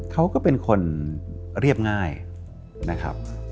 เขาก็เป็นคนเรียบง่ายนะครับ